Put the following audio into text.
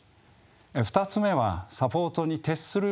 ２つ目はサポートに徹する謙虚さ。